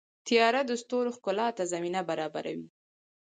• تیاره د ستورو ښکلا ته زمینه برابروي.